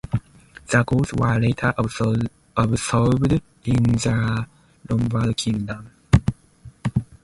The Goths were later absorbed into the Lombard Kingdom.